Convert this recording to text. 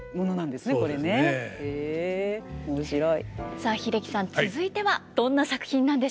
さあ英樹さん続いてはどんな作品なんでしょうか。